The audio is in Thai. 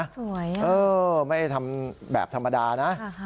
สวยอ่ะไม่ได้ทำแบบธรรมดานะ